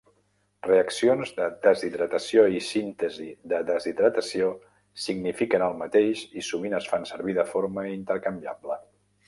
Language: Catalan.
Reaccions de deshidratació i síntesi de deshidratació signifiquen el mateix i sovint es fan servir de forma intercanviable.